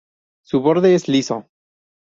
Su borde es liso.